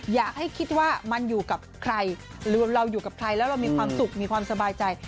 อยากให้คิดว่ามันอยู่กับใครหรือเราอยู่กับใครแล้วเรามีความสุขมีความสบายใจ